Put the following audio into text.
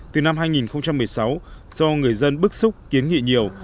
từ năm hai nghìn một mươi sáu do người dân bức xúc kiến nghị nhiều